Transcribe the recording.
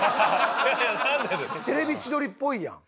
『テレビ千鳥』っぽいやん。